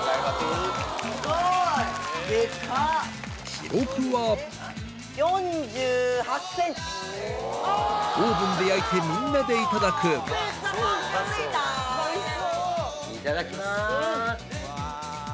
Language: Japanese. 記録はオーブンで焼いてみんなでいただくいただきます！